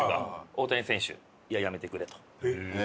大谷選手「いややめてくれ」と。